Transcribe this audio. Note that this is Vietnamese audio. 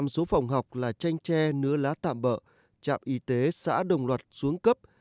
sáu mươi số phòng học là tranh tre nứa lá tạm bợ trạm y tế xã đồng loạt xuống cấp